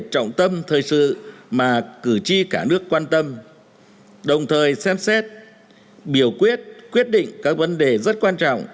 trọng tâm thời sự mà cử tri cả nước quan tâm đồng thời xem xét biểu quyết quyết định các vấn đề rất quan trọng